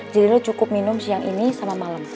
jadi lo cukup minum siang ini sama malem